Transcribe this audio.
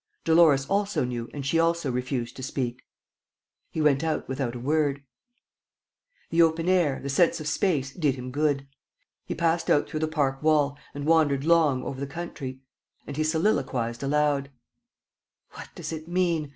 Dolores also knew and she also refused to speak. He went out without a word. The open air, the sense of space, did him good. He passed out through the park wall and wandered long over the country. And he soliloquized aloud: "What does it mean?